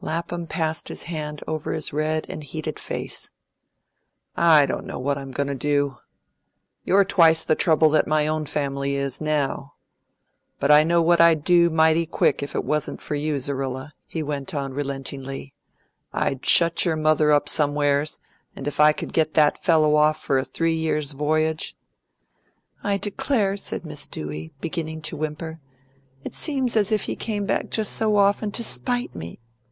Lapham passed his hand over his red and heated face. "I don't know what I'm going to do. You're twice the trouble that my own family is, now. But I know what I'd do, mighty quick, if it wasn't for you, Zerrilla," he went on relentingly. "I'd shut your mother up somewheres, and if I could get that fellow off for a three years' voyage " "I declare," said Miss Dewey, beginning to whimper, "it seems as if he came back just so often to spite me.